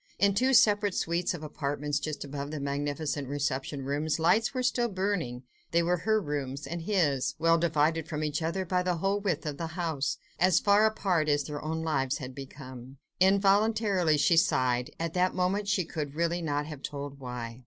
In two separate suites of apartments, just above the magnificent reception rooms, lights were still burning; they were her rooms, and his, well divided from each other by the whole width of the house, as far apart as their own lives had become. Involuntarily she sighed—at that moment she could really not have told why.